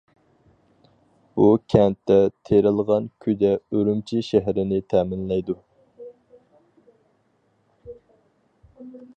بۇ كەنتتە تېرىلغان كۈدە ئۈرۈمچى شەھىرىنى تەمىنلەيدۇ.